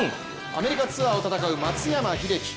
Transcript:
アメリカツアーを戦う松山英樹。